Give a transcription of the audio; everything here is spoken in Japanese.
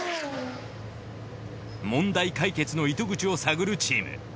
問題解決の糸口を探るチーム。